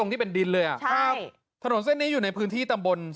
น่ะที่เป็นดินเลยอ่ะถนนเส้นนี้อยู่ในพื้นที่ตำบลสร้าง